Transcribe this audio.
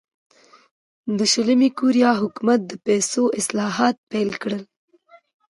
د شلي کوریا حکومت د پیسو اصلاحات پیل کړل.